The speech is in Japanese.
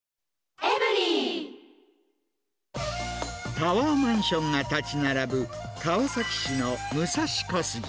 タワーマンションが建ち並ぶ、川崎市の武蔵小杉。